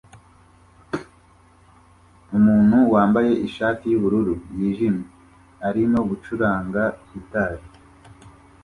Umuntu wambaye ishati yubururu yijimye arimo gucuranga gitari